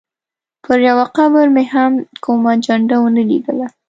پر یوه قبر مې هم کومه جنډه ونه لیدله.